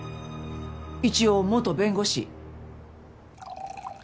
一応元弁護士。